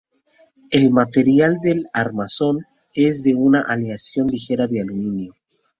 El material del armazón es de una aleación ligera de aluminio.